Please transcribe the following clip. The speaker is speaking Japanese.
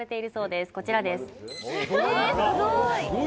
すごーい